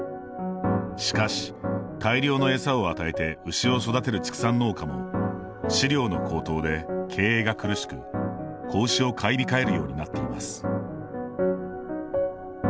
しかし、大量のエサを与えて牛を育てる畜産農家も飼料の高騰で経営が苦しく子牛を買い控えるようになっています。